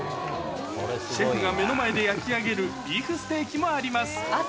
シェフが目の前で焼き上げるビーフステーキもあります。